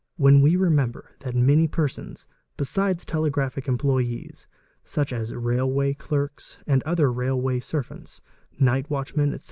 When we remember the many persons, besides telegraphic x mn ployés, such as railway clerks and other railway servants, night watch men, etc.